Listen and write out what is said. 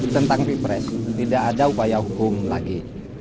tentang pilpres tidak ada upaya hukum lagi